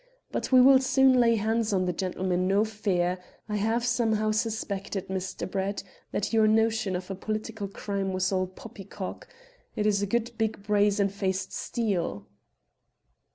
But we will soon lay hands on the gentleman, no fear. I have somehow suspected, Mr. Brett, that your notion of a political crime was all poppy cock. It is a good big brazen faced steal."